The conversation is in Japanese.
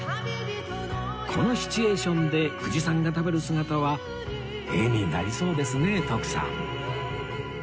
このシチュエーションで藤さんが食べる姿は絵になりそうですね徳さん